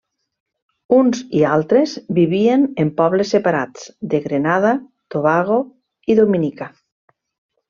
Uns i altres vivien en pobles separats de Grenada, Tobago i Dominica.